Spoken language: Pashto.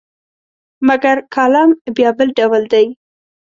مګر کالم بیا بل ډول دی.